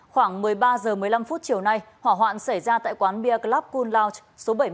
khoảng một mươi ba h một mươi năm chiều nay hỏa hoạn xảy ra tại quán beer club cool lounge